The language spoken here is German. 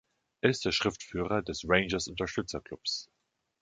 Er ist der Schriftführer des Rangers Unterstützerclubs.